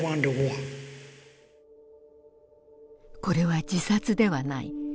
これは自殺ではない。